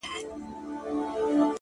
ته یې په مسجد او درمسال کي کړې بدل،